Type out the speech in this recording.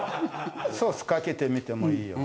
ソースかけてみてもいいよ。